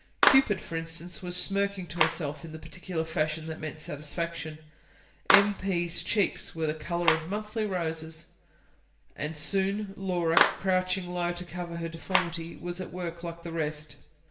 Cupid, for instance, was smirking to herself in the peculiar fashion that meant satisfaction; M. P.'s cheeks were the colour of monthly roses. And soon Laura, crouching low to cover her deformity, was at work like the rest.